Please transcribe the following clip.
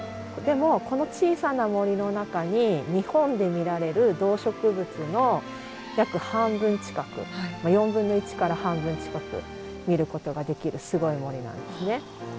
でもこの小さな森の中に日本で見られる動植物の約半分近く４分の１から半分近く見ることができるすごい森なんですね。